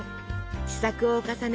試作を重ね